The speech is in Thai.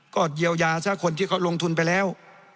ก็เยียวยาซะคนที่เขาลงทุนไปแล้ว